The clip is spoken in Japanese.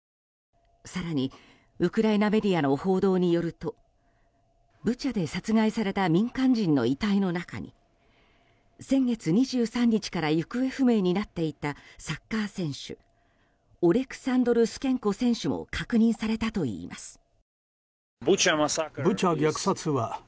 更に、ウクライナメディアの報道によるとブチャで殺害された民間人の遺体の中に先月２３日から行方不明になっていたサッカー選手オレクサンドル・スケンコ選手も確認されたといいます。